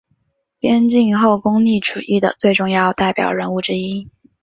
边沁后功利主义的最重要代表人物之一。